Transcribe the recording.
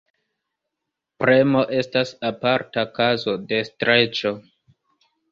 Premo estas aparta kazo de streĉo.